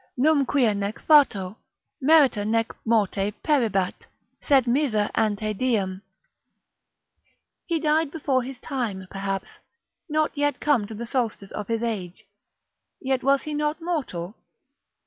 Num quia nec fato, merita nec morte peribat, Sed miser ante diem——— he died before his time, perhaps, not yet come to the solstice of his age, yet was he not mortal?